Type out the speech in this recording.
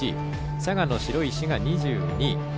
佐賀の白石が２２位。